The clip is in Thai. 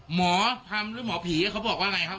หมอธรรมหรือหมอผีเขาบอกว่าไงครับ